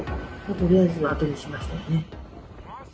とりあえず後にしましたよね。